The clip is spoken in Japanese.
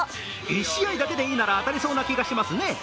１試合だけでいいなら当たりそうな気がしますね。